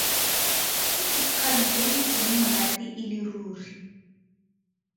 Ke dikgang tse di seng monate e le ruri.